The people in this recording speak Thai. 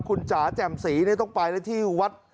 คุณจ๋าแจ่มศรีต้องไปแล้วที่วัด